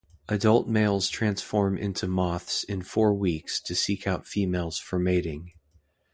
Adult males transform into moths in four weeks to seek out females for mating.